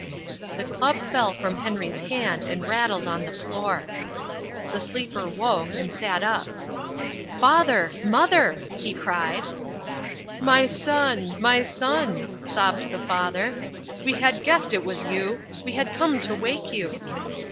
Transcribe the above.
The club fell from Henry's hand and rattled on the floor. The sleeper woke, and sat up. "Father! Mother!" he cried. "My son, my son," sobbed the father, "we had guessed it was you. We had come to wake you."